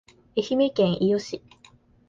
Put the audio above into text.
愛媛県伊予市